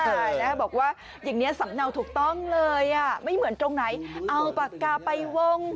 ใช่แล้วบอกว่าอย่างนี้สำเนาถูกต้องเลยอ่ะไม่เหมือนตรงไหนเอาปากกาไปวง